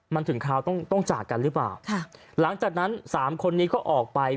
มันถึงคราวต้องต้องจากกันหรือเปล่าค่ะหลังจากนั้นสามคนนี้ก็ออกไป